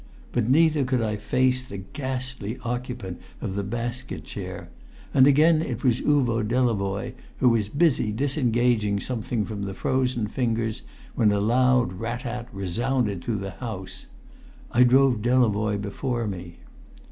But neither could I face the ghastly occupant of the basket chair; and again it was Uvo Delavoye who was busy disengaging something from the frozen fingers when a loud rat tat resounded through the house. [Illustration: I drove Delavoye before me.